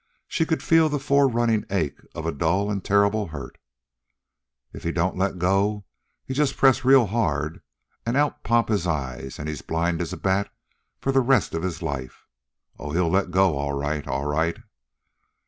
She could feel the fore running ache of a dull and terrible hurt. "If he don't let go, you just press real hard, an' out pop his eyes, an' he's blind as a bat for the rest of his life. Oh, he'll let go all right all right."